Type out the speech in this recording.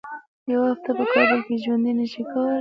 یوه هفته په کابل کې ژوند نه شي کولای.